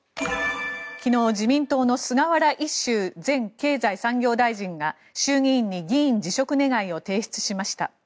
昨日、自民党の菅原一秀前経済産業大臣が衆議院に議員辞職願を提出しました。